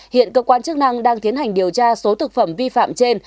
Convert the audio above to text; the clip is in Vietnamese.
hiện cơ quan chức năng đang tiến hành điều tra số thực phẩm vi phạm trên